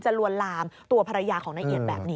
ลวนลามตัวภรรยาของนายเอียดแบบนี้